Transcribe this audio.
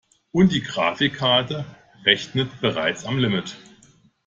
Und die Grafikkarte rechnet bereits am Limit.